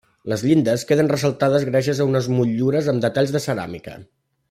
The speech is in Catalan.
Les llindes queden ressaltades gràcies a unes motllures amb detalls de ceràmica.